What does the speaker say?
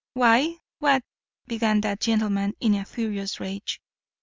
"Why, what " began that gentleman in a furious rage.